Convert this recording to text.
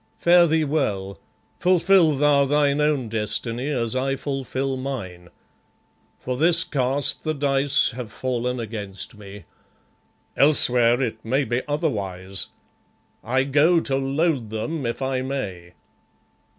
Fare thee well; fulfil thou thine own destiny, as I fulfil mine. For this cast the dice have fallen against me; elsewhere it may be otherwise. I go to load them if I may.